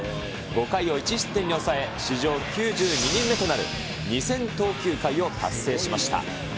５回を１失点に抑え、史上９２人目となる２０００投球回を達成しました。